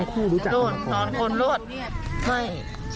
อยู่ตรงตอนคนรวดให้